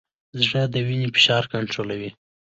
زړه د وینې فشار کنټرولوي.